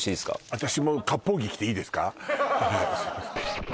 私もかっぽう着着ていいですか？